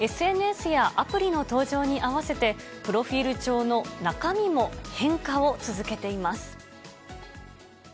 ＳＮＳやアプリの登場に合わせて、プロフィール帳の中身も変化を続けています。